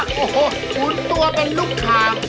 โอ้โหฝุนตัวเป็นลูกค้า